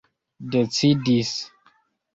decidis